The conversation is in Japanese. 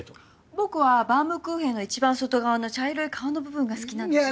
僕はバウムクーヘンのいちばん外側の茶色い皮の部分が好きなんですよね。